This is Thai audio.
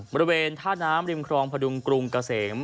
บริเวณท่าน้ำริมครองพดุงกรุงเกษม